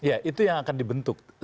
ya itu yang akan dibentuk